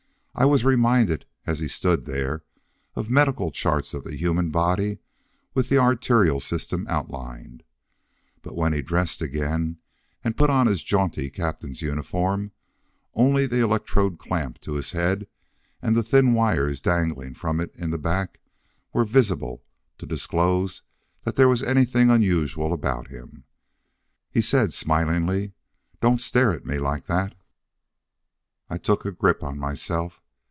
I was reminded as he stood there, of medical charts of the human body with the arterial system outlined. But when he dressed again and put on his jaunty captain's uniform, only the electrode clamped to his head and the thin wires dangling from it in the back were visible to disclose that there was anything unusual about him. He said smilingly, "Don't stare at me like that." I took a grip on myself.